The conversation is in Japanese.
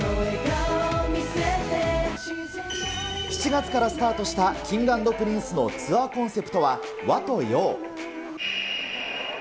７月からスタートしたＫｉｎｇ＆Ｐｒｉｎｃｅのツアーコンセプトは、和と洋。